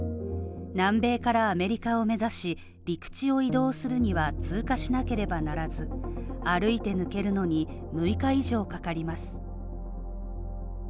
南米からアメリカを目指し、陸地を移動するには通過しなければならず歩いて抜けるのに６日以上かかります。